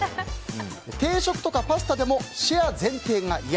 定食とかパスタでもシェア前提が嫌。